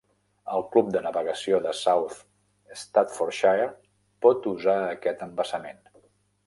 El club de navegació de South Staffordshire pot usar aquest embassament.